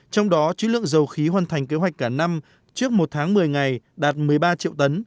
trong đó chữ lượng dầu khí hoàn thành kế hoạch cả năm trước một tháng một mươi ngày đạt một mươi ba triệu tấn